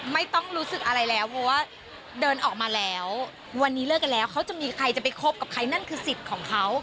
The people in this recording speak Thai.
ไม่ต้องรู้สึกอะไรแล้วเพราะว่าเดินออกมาแล้ววันนี้เลิกกันแล้วเขาจะมีใครจะไปคบกับใครนั่นคือสิทธิ์ของเขา